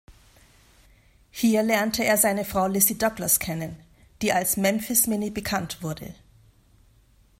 Hier lernte er seine Frau Lizzie Douglas kennen, die als Memphis Minnie bekannt wurde.